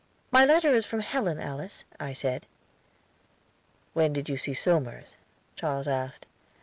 "My letter is from Helen, Alice," I said. "When did you see Somers?" Charles asked.